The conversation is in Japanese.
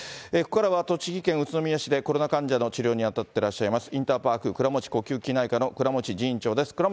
ここからは栃木県宇都宮市でコロナ患者の治療に当たっていらっしゃいます、インターパーク倉持呼吸器内科の倉持仁院長です。